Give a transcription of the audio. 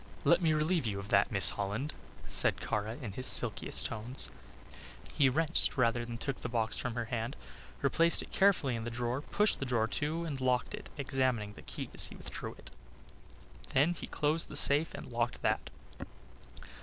"Let me relieve you of that, Miss Holland," said Kara, in his silkiest tones. He wrenched rather than took the box from her hand, replaced it carefully in the drawer, pushed the drawer to and locked it, examining the key as he withdrew it. Then he closed the safe and locked that.